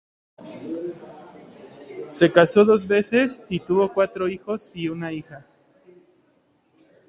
Se casó dos veces y tuvo cuatro hijos y una hija.